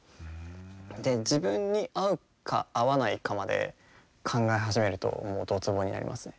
で自分に合うか合わないかまで考え始めるとどつぼになりますね。